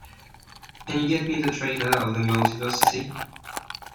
can you get me the trailer of The Multiversity?